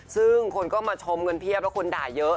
ซึ่งคนก็มาชมกันเพียบแล้วคนด่าเยอะ